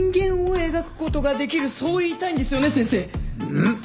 うん。